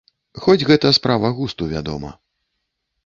Хоць гэта справа густу, вядома.